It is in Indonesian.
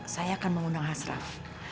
saya akan mengundang hasraf